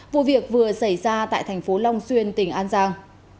vụ việc vừa xảy ra tại thành phố long xuyên tỉnh an giang